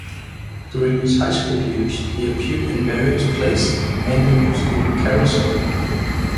During his high school years, he appeared in various plays and the musical "Carousel".